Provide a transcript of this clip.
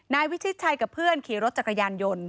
นายวิชิตชัยกับเพื่อนขี่รถจักรยานยนต์